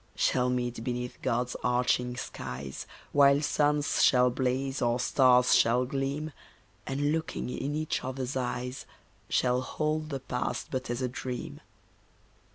Shall meet beneath God's arching skies, While suns shall blaze, or stars shall gleam, And looking in each other's eyes Shall hold the past but as a dream.